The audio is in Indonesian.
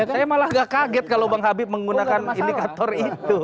saya malah gak kaget kalau bang habib menggunakan indikator itu